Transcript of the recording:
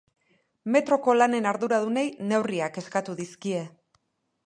Metroko lanen arduradunei neurriak eskatu dizkie.